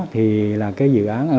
thì là cái dự án